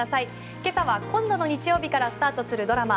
今朝は今度の日曜日からスタートするドラマ